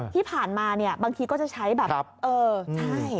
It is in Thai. ที่ผ่านมาเนี่ยบางทีก็จะใช้แบบเออใช่